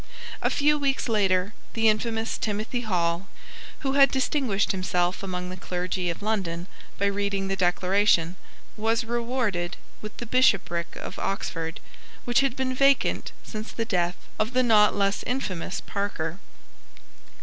A few weeks later the infamous Timothy Hall, who had distinguished himself among the clergy of London by reading the Declaration, was rewarded with the Bishopric of Oxford, which had been vacant since the death of the not less infamous Parker.